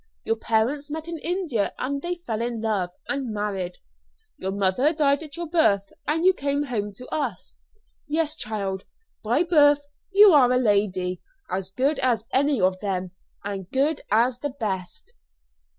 Your parents met in India; they fell in love, and married. Your mother died at your birth, and you came home to us. Yes, child, by birth you are a lady, as good as any of them as good as the best."